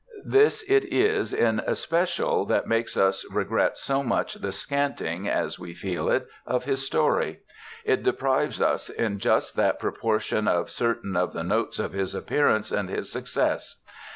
This it is in especial that makes us regret so much the scanting, as we feel it, of his story; it deprives us in just that proportion of certain of the notes of his appearance and his "success."